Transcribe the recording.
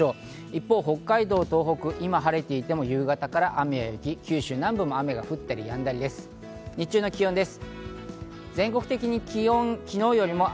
一方、北海道、東北は今、晴れていても夕方から雨や雪、九州南部も雨が降りそうです。